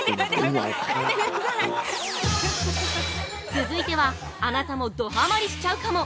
◆続いては、あなたもどはまりしちゃうかも！？